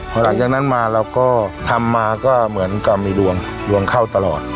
พอหลังจากนั้นมาเราก็ทำมาก็เหมือนกับมีดวงดวงเข้าตลอด